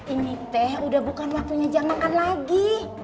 ini teh udah bukan waktunya jangan makan lagi